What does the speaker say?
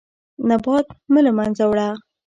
نبات مه له منځه وړه.